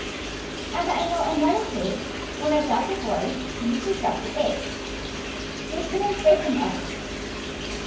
And I know another case where an adopted boy used to suck the eggs they couldn't break him of it.